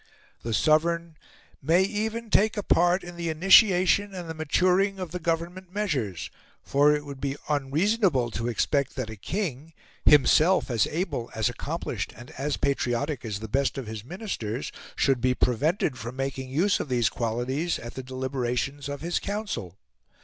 The Sovereign "may even take a part in the initiation and the maturing of the Government measures; for it would be unreasonable to expect that a king, himself as able, as accomplished, and as patriotic as the best of his Ministers, should be prevented from making use of these qualities at the deliberations of his Council."